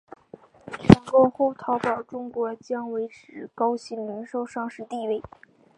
全购后淘宝中国将维持高鑫零售上市地位。